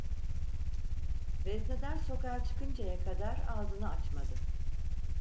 Veznedar sokağa çıkıncaya kadar ağzını açmadı.